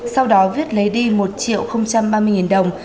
sau đó viết lấy đi một triệu ba mươi nghìn đồng